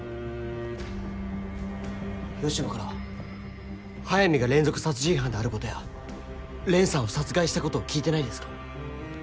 芳野から速水が連続殺人犯であることや蓮さんを殺害したことを聞いてないですか？